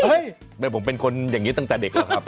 หมายความว่าผมเป็นคนอย่างนี้ตั้งแต่เด็กหรือครับ